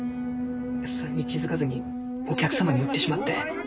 それに気付かずにお客様に売ってしまって。